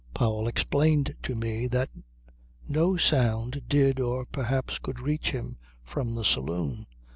Powell explained to me that no sound did or perhaps could reach him from the saloon.